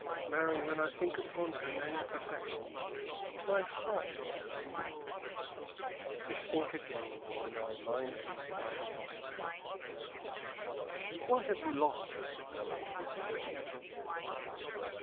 Marry, when I think upon her many perfections my heart doth leap, to sink again when I mind me that I have lost her." "And why have you lost her, Allan a Dale?"